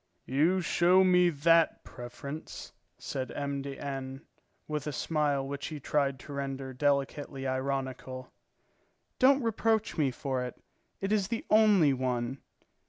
"You show me that preference?" said M. de N., with a smile which he tried to render delicately ironical. "Don't reproach me for it. It is the only one."